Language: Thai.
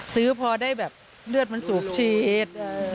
พอได้แบบเลือดมันสูบฉีด